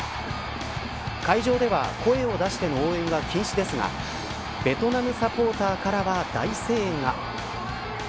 会場では声を出しての応援は禁止ですがベトナムサポーターからは大声援が。